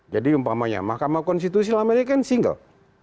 jadi umpamanya mahkamah konstitusi lama ini kan single